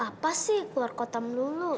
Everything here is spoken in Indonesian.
apa sih keluar kota melulu